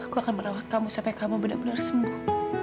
aku akan merawat kamu sampai kamu benar benar sembuh